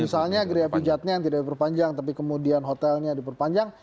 ya misalnya giriapijatnya yang tidak diperpanjang tapi kemudian hotelnya diperpanjang